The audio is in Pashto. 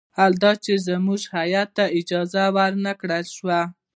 حال دا چې زموږ هیات ته اجازه ور نه کړل شوه.